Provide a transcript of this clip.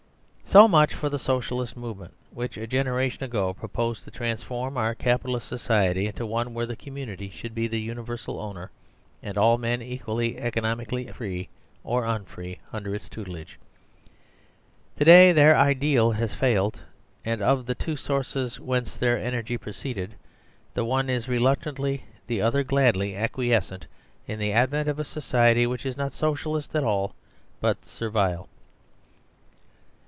So much for the Socialist movement, which a gen eration ago proposed to transform our Capitalist so ciety into one where the community should be the universal owner and all men equally economically free or unfree under its tutelage. To day their ideal has failed, and of the two sources whence their energy proceeded, the one is reluctantly, the other gladly, acquiescent in the advent of a society which is not So cialist at all but Servile.